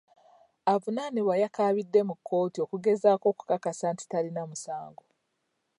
Avunaanibwa yakaabidde mu kkooti okugezaako okukakasa nti talina musango.